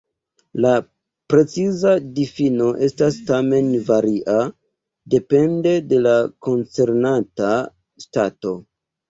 La preciza difino estas tamen varia, depende de la koncernata ŝtato.